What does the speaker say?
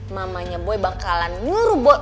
mamanya boy bakalan nyuruh boy untuk